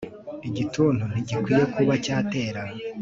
igituntu ntigikwiye kuba cyatera